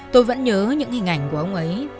tôi vẫn nhớ những hình ảnh của ông ấy